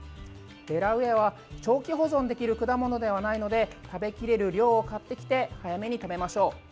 デラウエアは長期保存できる果物ではないので食べきれる量を買ってきて早めに食べましょう。